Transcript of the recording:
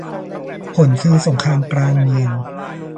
ผลคือสงครามกลางเมือง